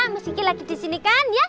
mas ki lagi disini kan ya